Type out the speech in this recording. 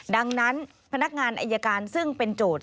ดังนั้นพนักงานอายการซึ่งเป็นโจทย์